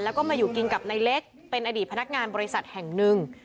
แล้วก็มาอยู่กินกับนายเล็กเป็นอดีตพนักงานบริษัทแห่งหนึ่ง